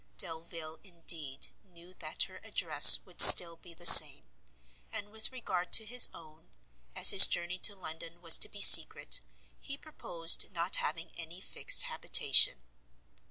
Delvile, indeed, knew that her address would still be the same; and with regard to his own, as his journey to London was to be secret, he purposed not having any fixed habitation.